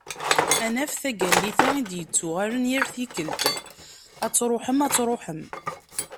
Ad naf taggalit-a i d-yettuɣalen yal tikkelt "Ad tṛuḥem, ad tṛuḥem".